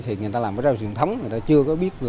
trường thống người ta chưa có biết